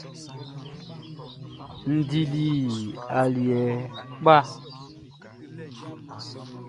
N dili aliɛ kpa.